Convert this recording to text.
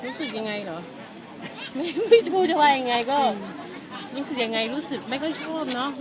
รู้สึกยังไงเหรอไม่รู้จะว่ายังไงก็รู้สึกยังไงรู้สึกไม่ค่อยชอบเนอะ